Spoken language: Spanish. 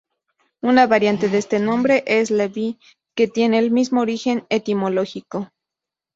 Una variante de este nombre es "Levy", que tiene el mismo origen etimológico.